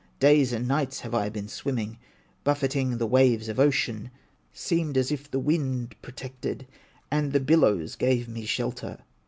Days and nights have I been swimming, Buffeting the waves of ocean, Seemed as if the wind protected, And the billows gave me shelter."